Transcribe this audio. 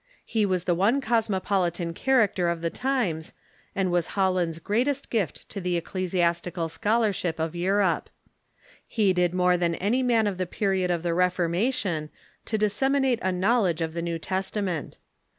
He was the one cosmopolitan character of the times, and was Holland's greatest gift to the ecclesiastical scholarship of Europe. He did more than any man of the period of the Reformation to disseminate a knowledge of the New Testament.